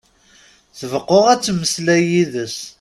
Tbeqqu ad temmeslay yid-s.